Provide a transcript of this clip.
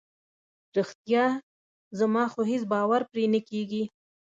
رښتیا؟ زما خو هیڅ باور پرې نه کیږي.